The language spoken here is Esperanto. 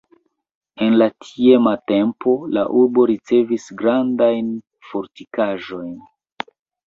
En la tiama tempo la urbo ricevis grandajn fortikaĵojn.